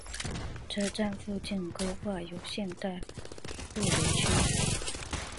车站附近规划有现代物流区。